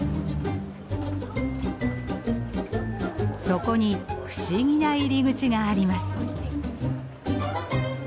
そこに不思議な入り口があります。